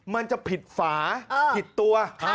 มันจะผิดฝาผิดตัว